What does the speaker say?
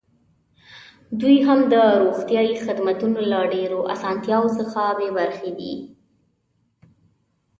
دوی هم د روغتیايي خدمتونو له ډېرو اسانتیاوو څخه بې برخې دي.